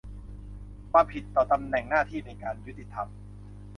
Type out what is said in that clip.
ความผิดต่อตำแหน่งหน้าที่ในการยุติธรรม